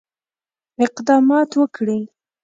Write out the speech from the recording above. اقدامات وکړي.